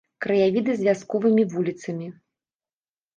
Краявіды з вясковымі вуліцамі.